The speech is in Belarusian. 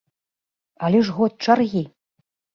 Але ж год чаргі!